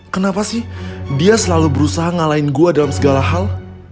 kenapa sih dia selalu berusaha ngalahin gue dalam segala hal